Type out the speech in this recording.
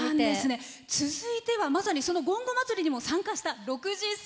続いてはそのごんごまつりにも参加した６０歳。